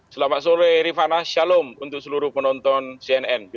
selamat sore rifana shalom untuk seluruh penonton cnn